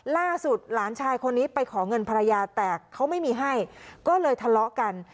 หลานชายคนนี้ไปขอเงินภรรยาแต่เขาไม่มีให้ก็เลยทะเลาะกัน